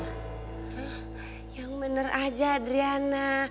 yang bener aja adriana